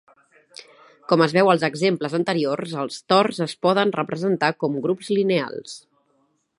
Com es veu als exemples anteriors, els tors es poden representar com grups lineals.